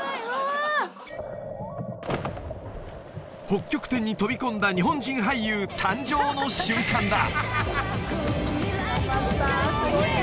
北極点に飛び込んだ日本人俳優誕生の瞬間だ